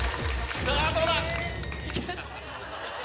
さぁどうだ？